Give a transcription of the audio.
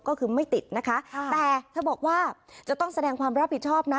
ก็คือไม่ติดนะคะแต่เธอบอกว่าจะต้องแสดงความรับผิดชอบนะ